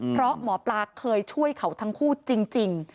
เพราะหมอปลาเคยช่วยเขาทั้งคู่จริง